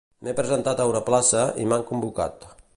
M'he presentat a una plaça i m'han convocat .